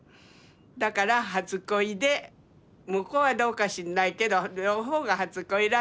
だから初恋で向こうはどうか知んないけど両方が初恋らしいよ。